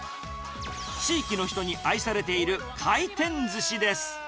地域の人に愛されている回転ずしです。